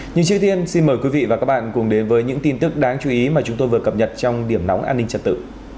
nhưng trước tiên xin mời quý vị và các bạn cùng đến với những tin tức đáng chú ý mà chúng tôi vừa cập nhật trong điểm nóng an ninh trật tự